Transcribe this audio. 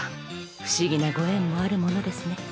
不思議なご縁もあるものですね。